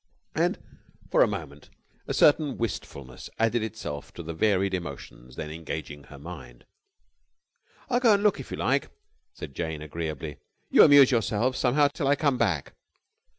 And for a moment a certain wistfulness added itself to the varied emotions then engaging her mind. "I'll go and look, if you like," said Jane agreeably. "You amuse yourselves somehow till I come back."